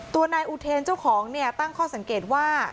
ตัวนายอุเทนเจ้าของเนี่ยตั้งข้อสังเกตว่า